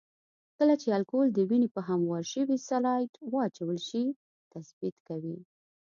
کله چې الکول د وینې په هموار شوي سلایډ واچول شي تثبیت کوي.